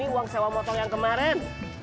uang sewa motong yang kemarin